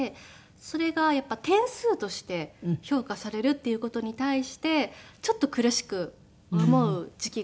それがやっぱり点数として評価されるっていう事に対してちょっと苦しく思う時期があったんですよね。